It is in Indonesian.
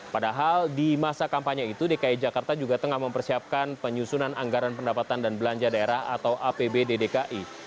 padahal di masa kampanye itu dki jakarta juga tengah mempersiapkan penyusunan anggaran pendapatan dan belanja daerah atau apbd dki